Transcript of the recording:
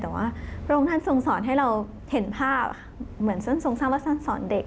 แต่ว่าพระองค์ท่านทรงสอนให้เราเห็นภาพเหมือนสั้นทรงสร้างว่าสั้นสอนเด็ก